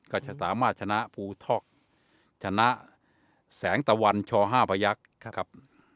ก็จะสามารถชนะภูท็อกชนะแสงตะวันช๕พยักษ์ครับ